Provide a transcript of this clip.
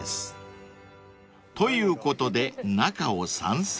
［ということで中を散策］